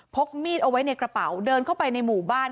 กมีดเอาไว้ในกระเป๋าเดินเข้าไปในหมู่บ้าน